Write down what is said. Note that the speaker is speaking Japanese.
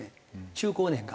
中高年が。